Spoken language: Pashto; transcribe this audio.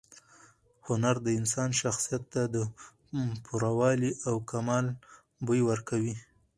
هنر د انسان شخصیت ته د پوره والي او کمال بوی ورکوي.